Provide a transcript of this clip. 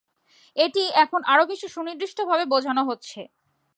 এটি এখন আরও বেশি সুনির্দিষ্টভাবে বোঝানো হচ্ছে।